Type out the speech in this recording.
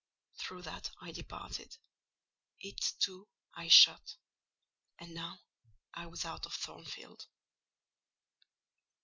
Through that I departed: it, too, I shut; and now I was out of Thornfield.